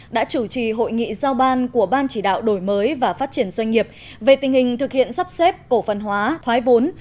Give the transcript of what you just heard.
đã chủ trì hội nghị giao ban của ban chỉ đạo đổi mới và phát triển doanh nghiệp về tình hình thực hiện sắp xếp cổ phần hóa thoái vốn